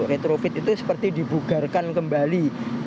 retrofit itu seperti dibugarkan kembali